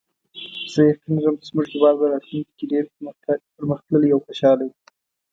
زه یقین لرم چې زموږ هیواد به راتلونکي کې ډېر پرمختللی او خوشحاله وي